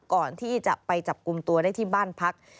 ก่อนที่จะไปจับกลุ่มตัวได้ที่บ้านพัก